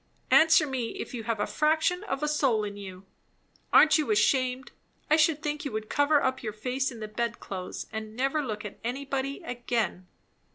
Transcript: Answer me, if you have a fraction of a soul in you! Aren't you ashamed! I should think you would cover up your face in the bedclothes, and never look at anybody again!"